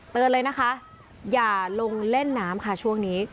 เลยนะคะอย่าลงเล่นน้ำค่ะช่วงนี้